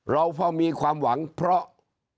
เราพอมีความหวังเพราะ